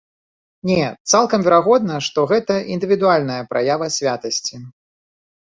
Не, цалкам верагодна, што гэта індывідуальная праява святасці.